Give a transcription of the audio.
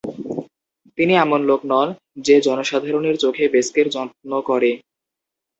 তিনি এমন লোক নন যে জনসাধারণের চোখে বেস্কের যত্ন করে।